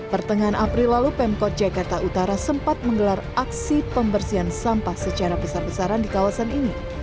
pertengahan april lalu pemkot jakarta utara sempat menggelar aksi pembersihan sampah secara besar besaran di kawasan ini